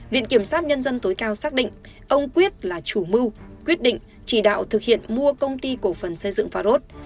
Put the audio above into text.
viện kiểm sát nhân dân tối cao xác định ông quyết là chủ mưu quyết định chỉ đạo thực hiện mua công ty cổ phần xây dựng pharos